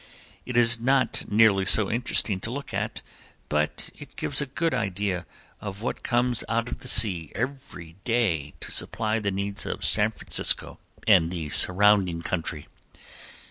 It is not nearly so interesting to look at, but it gives a good idea of what comes out of the sea every day to supply the needs of San Francisco and the surrounding country.